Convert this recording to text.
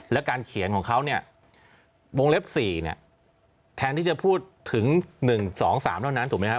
และการเขียนของเขาเนี่ยวงเล็บ๔เนี่ยแทนที่จะพูดถึง๑๒๓เท่านั้นถูกไหมครับ